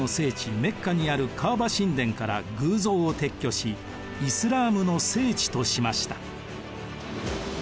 メッカにあるカーバ神殿から偶像を撤去しイスラームの聖地としました。